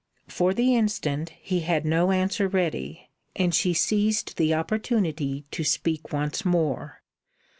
For the instant he had no answer ready, and she seized the opportunity to speak once more.